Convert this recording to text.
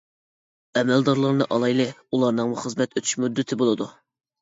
ئەمەلدارلارنى ئالايلى: ئۇلارنىڭمۇ خىزمەت ئۆتەش مۇددىتى بولىدۇ.